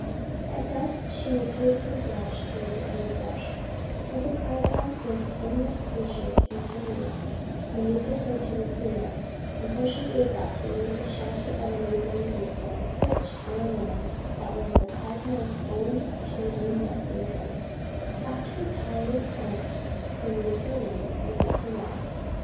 At dusk she repeatedly dashed toward the underbrush; but the Cardinal, with endless patience and tenderness, maneuvered her to the sumac, until she gave up, and beneath the shelter of a neighbouring grapevine, perched on a limb that was the Cardinal's own chosen resting place, tucked her tired head beneath her wing, and went to rest.